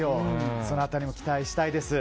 その辺りも期待したいです。